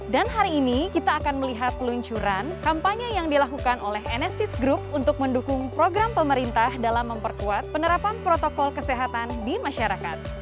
dan hari ini kita akan melihat peluncuran kampanye yang dilakukan oleh enesis group untuk mendukung program pemerintah dalam memperkuat penerapan protokol kesehatan di masyarakat